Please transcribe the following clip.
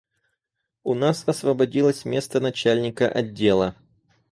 У нас освободилось место начальника отдела.